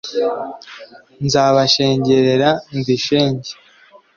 nzabashengerera ndi shenge